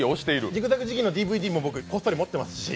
ジグザグジギーのＤＶＤもこっそり持ってますし。